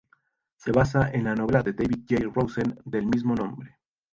Se basa en la novela de David J. Rosen del mismo nombre.